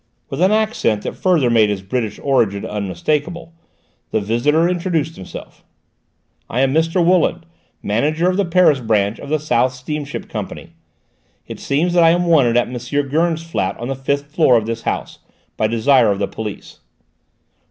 With an accent that further made his British origin unmistakable, the visitor introduced himself: "I am Mr. Wooland, manager of the Paris branch of the South Steamship Company. It seems that I am wanted at M. Gurn's flat on the fifth floor of this house, by desire of the police."